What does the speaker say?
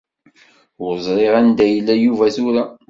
Ur ẓriɣ ara anda yella Yuba tura.